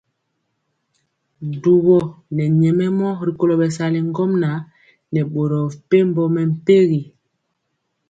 Dubɔ nɛ nyɛmemɔ rikolo bɛsali ŋgomnaŋ nɛ boro mepempɔ mɛmpegi.